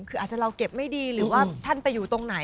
คืออาจจะเราเก็บไม่ดีหรือว่าท่านไปอยู่ตรงไหน